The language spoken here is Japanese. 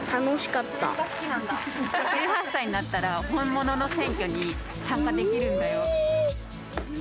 １８歳になったら本物の選挙に参加できるんだよ。